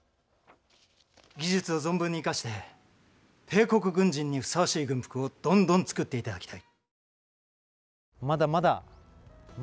技術を存分に生かして帝国軍人にふさわしい軍服をどんどん作っていただきたい。